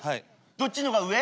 どっちの方が上？